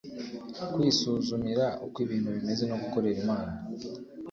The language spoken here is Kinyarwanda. kwisuzumira uko ibintu bimeze no gukorera imana